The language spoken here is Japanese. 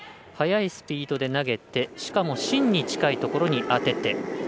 速いスピードで投げてしかも芯に近いところに当てて。